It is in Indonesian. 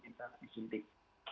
kalau tidak nanti kita disuntik